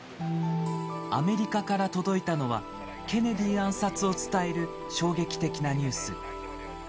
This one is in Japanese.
アメリカから届いたのは、ケネディ暗殺を伝える衝撃的なニュース。